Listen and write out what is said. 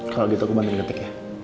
kalo gitu aku bantu ngetik ya